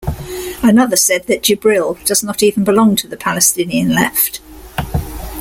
Another said that Jibril does not even belong to the Palestinian Left.